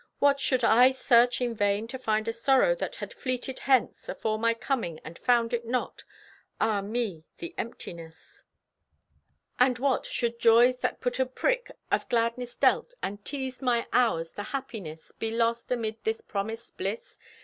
What! Should I search in vain To find a sorrow that had fleeted hence Afore my coming and found it not? Ah, me, the emptiness! And what! should joys that but a prick Of gladness dealt, and teased my hours To happiness, be lost amid this promised bliss?